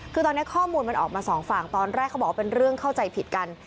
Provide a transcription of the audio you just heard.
คือตอนนี้ข้อมูลมันออกมาสองฝั่งตอนแรกเขาบอกว่าเป็นเรื่องเข้าใจผิดกัน